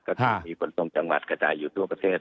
ก็จะมีขนส่งจังหวัดกระจายอยู่ทั่วประเทศ